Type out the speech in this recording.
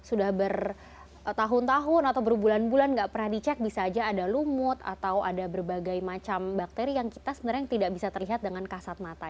sudah bertahun tahun atau berbulan bulan nggak pernah dicek bisa aja ada lumut atau ada berbagai macam bakteri yang kita sebenarnya tidak bisa terlihat dengan kasat mata